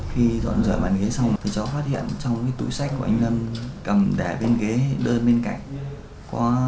khi dọn rửa bàn ghế xong thì cháu phát hiện trong cái túi sách của anh lâm cầm để bên ghế đơn bên cạnh